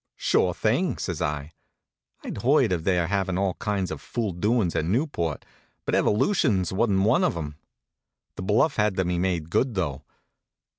"Sure thing," says I. I'd heard of their havin' all kinds of fool doin's at Newport, but evolutions wa'n't one of 'em. The bluff had to be made good, though.